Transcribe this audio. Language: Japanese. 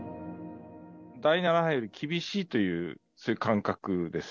第７波より厳しいという、そういう感覚です。